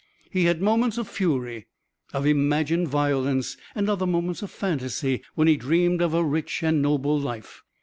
He had moments of fury, of imagined violence, and other moments of fantasy when he dreamed of a rich and noble life.